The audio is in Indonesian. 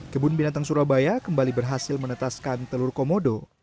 kebun binatang surabaya kembali berhasil menetaskan telur komodo